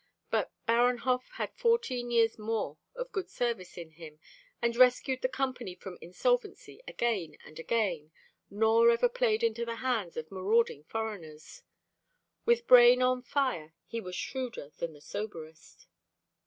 But Baranhov had fourteen years more of good service in him, and rescued the Company from insolvency again and again, nor ever played into the hands of marauding foreigners; with brain on fire he was shrewder than the soberest.